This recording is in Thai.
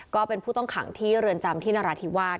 ก็เป็นผู้ต้องขังที่เรือนจำที่นราธิวาส